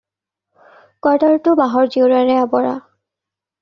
কোৱাৰ্টাৰটো বাহৰ জেউৰাৰে আবৰা।